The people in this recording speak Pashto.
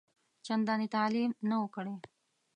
چنداني تعلیم نه وو کړی.